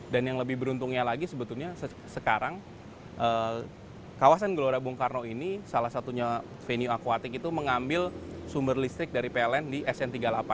dan yang lebih beruntungnya lagi sebetulnya sekarang kawasan gelora bung karno ini salah satunya venue akuatik itu mengambil sumber listrik dari pln di sn tiga puluh delapan